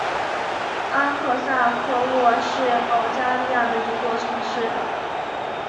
阿克萨科沃是保加利亚的一座城市。